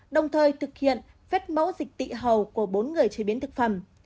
đồng thời thực hiện vết mẫu dịch tị hầu của bốn người chế biến thực phẩm